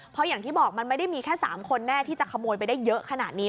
เพราะอย่างที่บอกมันไม่ได้มีแค่๓คนแน่ที่จะขโมยไปได้เยอะขนาดนี้